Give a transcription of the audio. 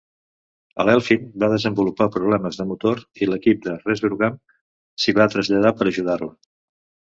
El "Elphin" va desenvolupar problemes de motor i l'equip de "Resurgam" s'hi va traslladar per ajudar-la.